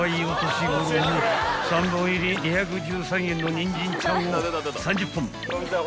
［３本入り２１３円のニンジンちゃんを３０本］